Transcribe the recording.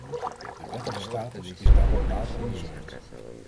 De wettige status is daarop nader onderzocht.